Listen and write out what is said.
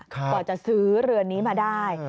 กว่าจะซื้อเรือนนี้มาได้